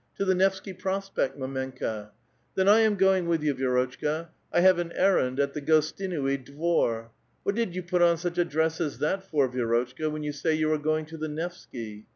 • To the Nevsky Prospekt, mdmenka.^* '^ Then I am goiog with you, Vi^rotchka; I have an er rand at the Gostinui Dvor. What did you put on such a dress as that for, Vi^rotehka, when you say you are going to tiie Nevsky.